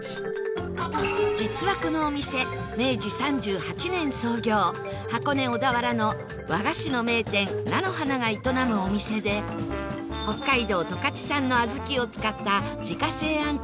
実は、このお店明治３８年創業箱根、小田原の和菓子の名店菜の花が営むお店で北海道十勝産の小豆を使った自家製あん